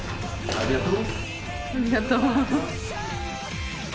ありがとう。